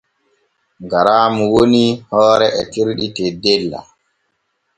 Garaamu woni hoore etirga teddella.